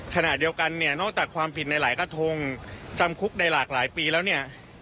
ขณะเดียวกันเนี่ยนอกจากความผิดในหลายกระทงจำคุกในหลากหลายปีแล้วเนี่ย